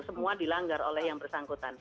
semua dilanggar oleh yang bersangkutan